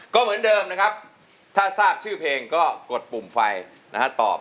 ก็เหมือนเดิมนะครับถ้าทราบชื่อเพลงก็กดปุ่มไฟนะฮะตอบ